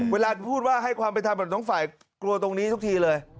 เวลาพูดว่าให้ความเป็นธรรมแบบสองฝ่ายกลัวตรงนี้ทุกทีเลย